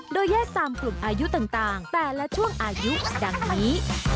โดยแยกตามกลุ่มอายุต่างแต่ละช่วงอายุดังนี้